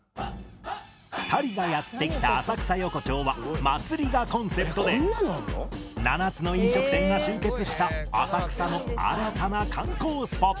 ２人がやって来た浅草横町は祭りがコンセプトで７つの飲食店が集結した浅草の新たな観光スポット